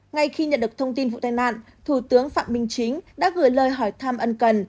ngay khi nhận được thông tin vụ tai nạn thủ tướng phạm minh chính đã gửi lời hỏi thăm ân cần